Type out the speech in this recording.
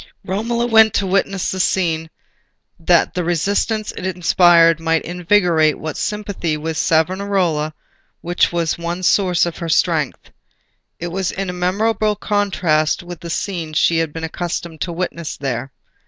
Romola went to witness the scene, that the resistance it inspired might invigorate that sympathy with Savonarola which was one source of her strength. It was in memorable contrast with the scene she had been accustomed to witness there.